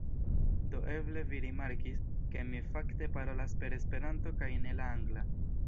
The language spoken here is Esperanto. Do eble vi rimarkis, ke mi fakte parolas per Esperanto kaj ne la angla.